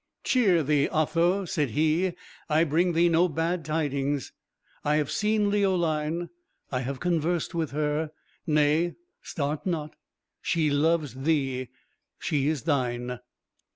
"Cheer thee, Otho," said he; "I bring thee no bad tidings; I have seen Leoline I have conversed with her nay, start not she loves thee! she is thine!"